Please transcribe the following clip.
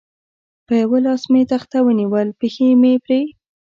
په یوه لاس مې تخته ونیول، پښې مې پرې.